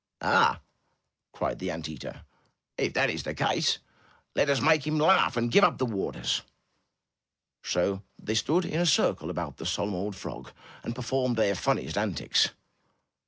Ah!*' cried the ant eater. *'If that is the case, let us make him laugh and give up the rivers." So they all stood in a circle about the solemn old frog and performed their funniest antics.